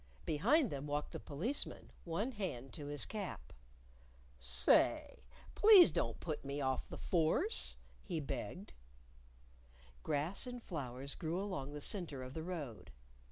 Behind them walked the Policeman, one hand to his cap. "Say, please don't put me off the Force," he begged. Grass and flowers grew along the center of the road.